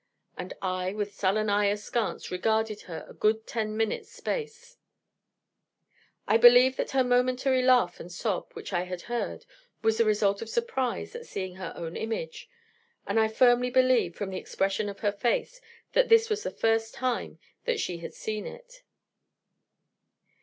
And I, with sullen eye askance regarded her a good ten minutes' space. I believe that her momentary laugh and sob, which I had heard, was the result of surprise at seeing her own image; and I firmly believe, from the expression of her face, that this was the first time that she had seen it.